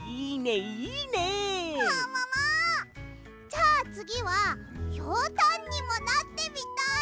じゃあつぎはひょうたんにもなってみたい！